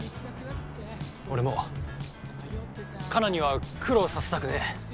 俺もカナには苦労させたくねえ。